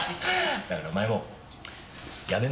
だからお前も辞めんなよ。